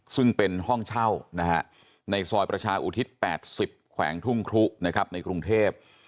ซึ่งเป็นห้องเช่าในซอยประชาอุทิศ๘๐แขวงทุ่งครุนะครับในกรุงเทพ